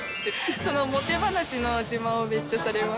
そのもて話の自慢をめっちゃされます。